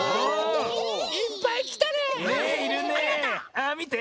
あみて。